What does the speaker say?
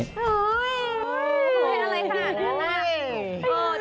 ไม่อะไรค่ะน่า